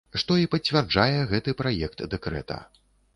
Што і пацвярджае гэты праект дэкрэта.